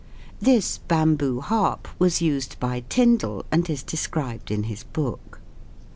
This " bamboo harp " was used by Tyndall, and is described in his book.